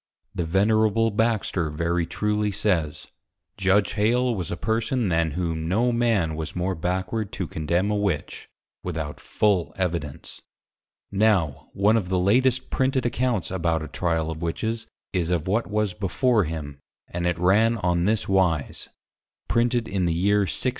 The Venerable Baxter very truly says, Judge +Hale+ was a Person, than whom, no Man was more Backward to Condemn a Witch, without full Evidence. Now, one of the latest Printed Accounts about a Tryal of Witches, is of what was before him, and it ran on this wise. [Printed in the Year 1682.